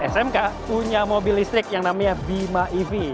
smk punya mobil listrik yang namanya bima ev